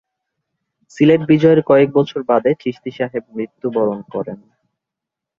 সিলেট বিজয়ের কয়েক বছর বাদে চিশতী সাহেব মৃত্যুবরণ করেন।